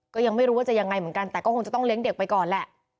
ก็ยังไม่รู้ว่าจะยังไงเหมือนกันแต่ก็คงจะต้องเลี้ยงเด็กไปก่อนแหละ